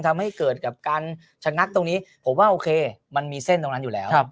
ทำให้เกิดกับการชะงักตรงนี้ผมว่าโอเคมันมีเส้นตรงนั้นอยู่แล้ว